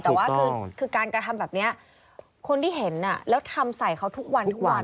แต่ว่าคือการกระทำแบบนี้คนที่เห็นแล้วทำใส่เขาทุกวันทุกวัน